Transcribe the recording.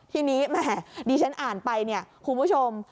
ทีนี้ดิฉันอ่านไปคุณผู้ชม